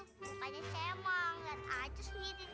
tiga satu dua tiga empat